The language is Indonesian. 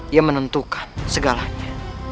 yang menentukan segalanya